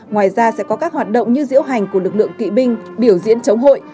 ngoài ra sẽ có các hoạt động như diễu hành của lực lượng kỵ binh biểu diễn chống hội